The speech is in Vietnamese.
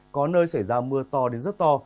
có nơi xảy ra mưa to đến rất to